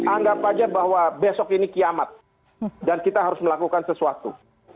anggap saja bahwa besok ini kiamat dan kita harus melakukan sesuatu